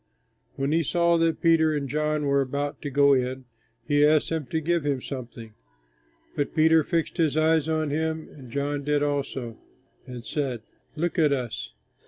When he saw that Peter and John were about to go in, he asked them to give him something. But Peter fixed his eyes on him, and John did also, and said, "Look at us."